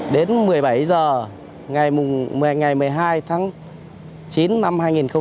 đến một mươi bảy h ngày một mươi hai tháng chín năm hai nghìn một mươi sáu